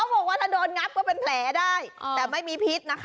บอกว่าถ้าโดนงับก็เป็นแผลได้แต่ไม่มีพิษนะคะ